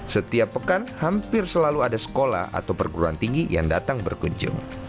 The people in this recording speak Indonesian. setiap pekan hampir selalu ada sekolah atau perguruan tinggi yang datang berkunjung